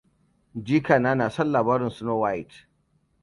Jikana na son labarin Snow White.